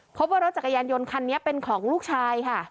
พบว่ารถจักรยานยนต์คันนี้เป็นของลูกชายค่ะ